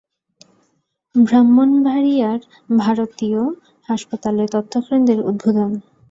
ব্রাহ্মণবাড়িয়ায় ভারতীয় হাসপাতালের তথ্যকেন্দ্রের উদ্বোধন